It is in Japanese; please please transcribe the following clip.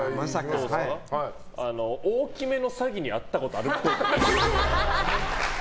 大きめの詐欺に遭ったことあるっぽい。